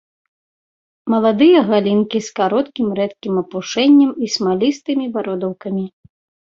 Маладыя галінкі з кароткім рэдкім апушэннем і смалістымі бародаўкамі.